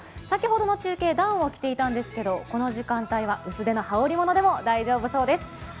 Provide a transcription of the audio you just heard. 先ほどの中継ではダウンを着ていたんですけれどもこの時間帯ハウスでの羽織り物でも大丈夫そうです。